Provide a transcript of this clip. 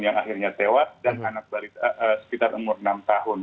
yang akhirnya tewas dan anak balita sekitar umur enam tahun